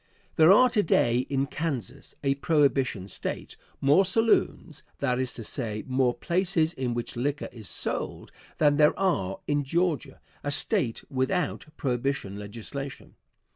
There are to day in Kansas, a prohibition State more saloons, that is to say, more places in which liquor is sold, than there are in Georgia, a State without prohibition legislation.